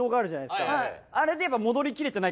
あれで。